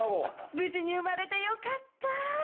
無事に生まれてよかった！